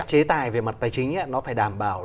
chế tài về mặt tài chính nó phải đảm bảo